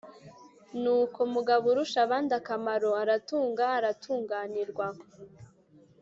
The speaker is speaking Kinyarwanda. nuko mugaburushabandakamaro aratunga aratunganirwa.